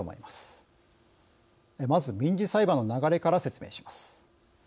まず、民事裁判の流れから説明します。